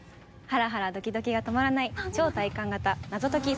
ハラハラドキドキが止まらない超体感型謎解き